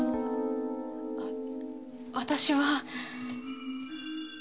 あっ私は。